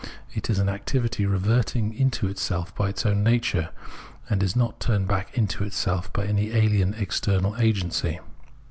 It is an activity reverting into itself by its own nature, and is not turned back into itself by any ahen, external agency.